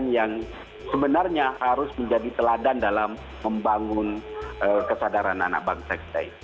yang sebenarnya harus menjadi teladan dalam membangun kesadaran anak bangsa kita ini